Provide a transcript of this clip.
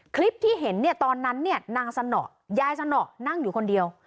คลิปที่เห็นตอนนั้นนางสนยายสนนั่งอยู่คนเดียว